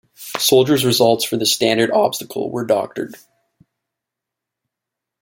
Soldiers' results for the standard obstacle were doctored.